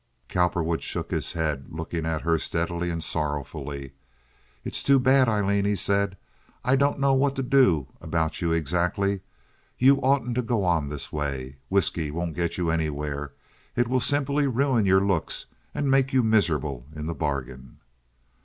Cowperwood shook his head, looking at her steadily and sorrowfully. "It's too bad, Aileen," he said. "I don't know what to do about you exactly. You oughtn't to go on this way. Whisky won't get you anywhere. It will simply ruin your looks and make you miserable in the bargain."